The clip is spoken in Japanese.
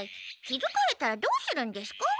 気づかれたらどうするんですか。